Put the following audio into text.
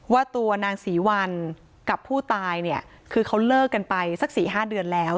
ว่าตัวนางศรีวัลกับผู้ตายเนี่ยคือเขาเลิกกันไปสัก๔๕เดือนแล้ว